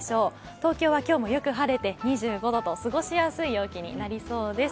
東京は今日もよく晴れて２５度と、過ごしやすい日になりそうです。